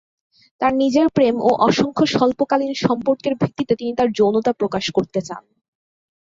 তার নিজের প্রেম ও অসংখ্য স্বল্পকালীন সম্পর্কের ভিত্তিতে তিনি তার যৌনতা প্রকাশ করতে চান।